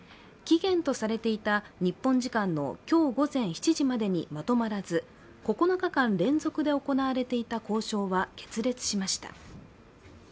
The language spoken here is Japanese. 期限とされていた日本時間の今日午前７時までにまとまらず９日間連続で行われていた交渉は決裂しました。